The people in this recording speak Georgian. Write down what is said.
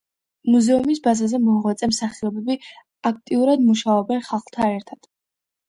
მუზეუმის ბაზაზე მოღვაწე მსახიობები აქტიურად მუშაობენ ხალხთან ერთად.